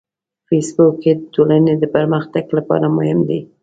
فېسبوک د ټولنې د پرمختګ لپاره مهم دی